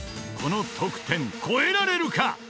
［この得点超えられるか！？